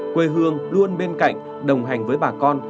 quê hương luôn bên cạnh đồng hành với bà con